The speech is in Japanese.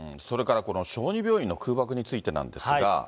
それから、この小児病院の空爆についてなんですが。